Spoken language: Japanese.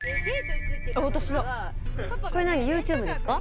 ＹｏｕＴｕｂｅですか？